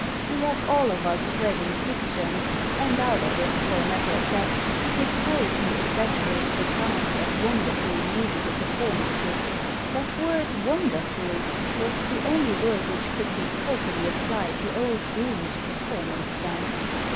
We have all of us read in fiction — and out of it, for a matter of that — hysteri cally exaggerated accounts of wonderful musical performances. That word " wonderful " was the only word which could be properly applied to old Groome's performance then.